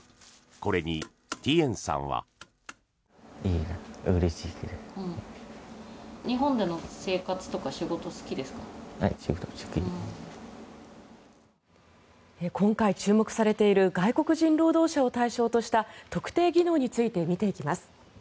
これにティエンさんは。今回注目されている外国人労働者を対象とした特定技能について見ていきます。